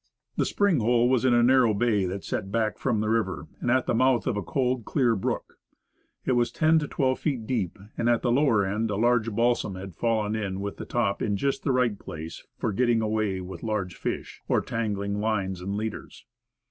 The spring hole was in a narrow bay that set back from the river, and at the mouth of a cold, clear brook; it was ten to twelve feet deep, and at the lower end a large balsam had fallen in with the top in just the right place for getting away with large fish, or tangling lines and leaders.